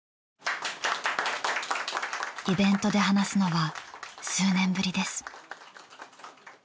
イベントで話すのは数年ぶりです。